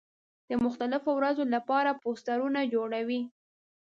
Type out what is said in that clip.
د مختلفو ورځو له پاره پوسټرونه جوړوي.